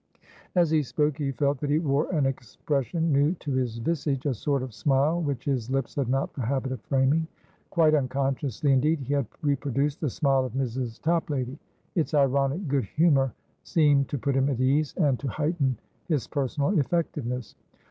As he spoke, he felt that he wore an expression new to his visage, a sort of smile which his lips had not the habit of framing. Quite unconsciously, indeed, he had reproduced the smile of Mrs. Toplady; its ironic good humour seemed to put him at ease, and to heighten his personal effectiveness.